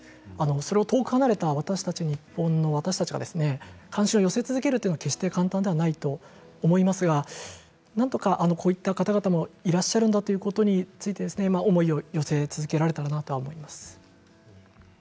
それを遠く離れた日本の私たちが関心を寄せ続けるということは決して簡単ではないと思いますがなんとか、こういった方々もいらっしゃるんだということについて思いを寄せ続けられたらなと思います。